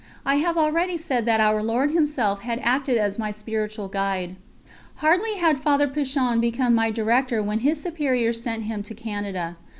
I have already said that Our Lord Himself had acted as my Spiritual Guide. Hardly had Father Pichon become my director when his Superiors sent him to Canada.